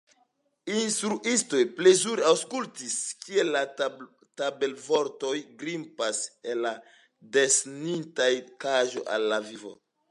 Instruisto plezure aŭskultis kiel la tabelvortoj grimpas el la desegnita kaĝo al la vivo.